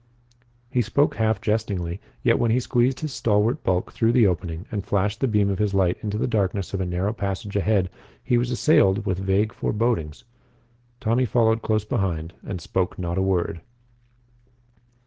He spoke half jestingly, yet when he squeezed his stalwart bulk through the opening and flashed the beam of his light into the darkness of a narrow passage ahead he was assailed with vague forebodings. Tommy followed close behind and spoke not a word.